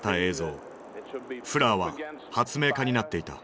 フラーは発明家になっていた。